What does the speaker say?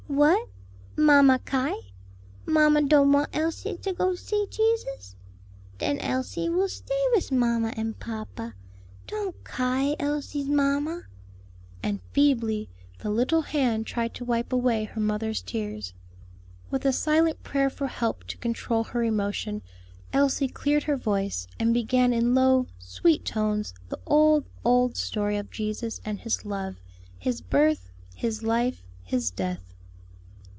"What! mamma ky? Mamma don't want Elsie to go see Jesus? Den Elsie will stay wis mamma and papa. Don't ky, Elsie's mamma;" and feebly the little hand tried to wipe away her mother's tears. With a silent prayer for help to control her emotion, Elsie cleared her voice, and began in low, sweet tones the old, old story of Jesus and His love, His birth, His life, His death.